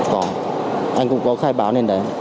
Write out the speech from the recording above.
có anh cũng có khai báo nên đấy